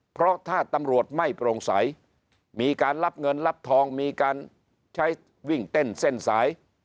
เพราะถ้าตำรวจไม่โปร่งใสมีการรับเงินรับทองมีการใช้วิ่งเต้นเส้นสาย